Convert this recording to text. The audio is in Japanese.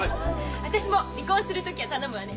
私も離婚する時は頼むわね。